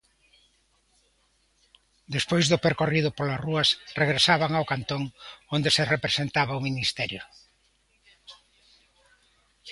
Despois do percorrido polas rúas, regresaban ao Cantón, onde se representaba o Ministerio.